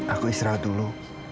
aku istirahat dulu